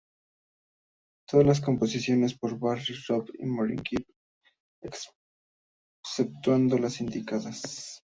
Todas las composiciones por Barry, Robin y Maurice Gibb, exceptuando las indicadas.